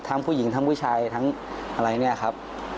ผู้หญิงทั้งผู้ชายทั้งอะไรเนี่ยครับ